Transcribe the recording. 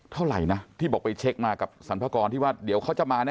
เท่าไหร่นะที่บอกไปเช็คมากับสรรพากรที่ว่าเดี๋ยวเขาจะมาแ